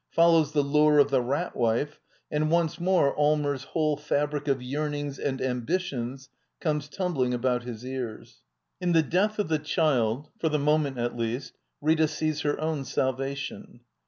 — follows the lure of the Rat Wife and once more Allmers' whole ; fabric of yearnings and ambitions comes tumbling labout his ears. j In the death of the child — for the moment, at j least — Rita sees her own salvation.